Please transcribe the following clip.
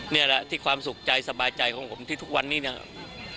นี่แหละที่ความสุขใจสบายใจของผมที่ทุกวันนี้นะครับ